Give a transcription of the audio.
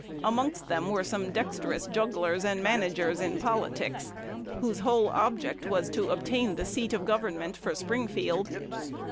Amongst them were some dexterous jugglers and managers in politics, whose whole object was to obtain the seat of government for Springfield.